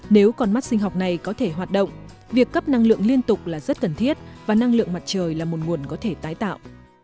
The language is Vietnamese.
nếu con mắt sinh học này có thể hoạt động việc cấp năng lượng liên tục là rất cần thiết và năng lượng mặt trời là một nguồn có thể tái tạo